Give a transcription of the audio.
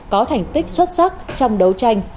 có thành tích xuất sắc trong đấu tranh